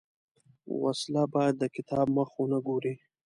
وسله باید د کتاب مخ ونه ګوري